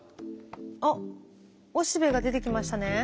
あっおしべが出てきましたね。